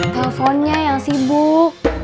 teleponnya yang sibuk